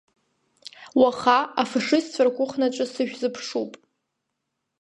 Уаха афашистцәа ркәыхнаҿы сышәзыԥшуп.